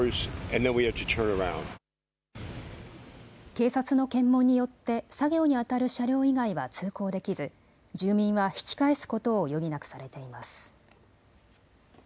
警察の検問によって作業にあたる車両以外は通行できず住民は引き返すことを余儀なくされています。